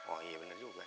oh iya bener juga